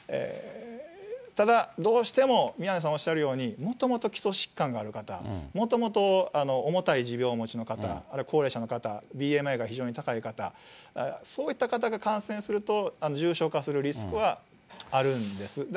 ただ、どうしても、宮根さんおっしゃるように、もともと基礎疾患がある方、もともと重たい持病をお持ちの方、あるいは高齢者の方、ＢＭＩが高い方、そういった方が感染すると、重症化するリスクはあるんです。